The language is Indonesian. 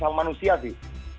terhadap hal manusia sih